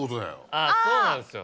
あぁそうなんですよ。